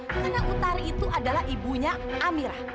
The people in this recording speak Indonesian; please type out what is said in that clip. karena utari itu adalah ibunya amira